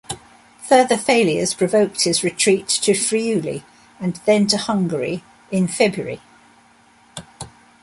Further failures provoked his retreat to Friuli, and then to Hungary, in February.